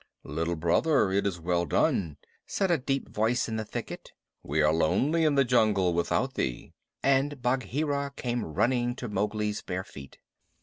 "Little Brother, it is well done," said a deep voice in the thicket. "We were lonely in the jungle without thee," and Bagheera came running to Mowgli's bare feet.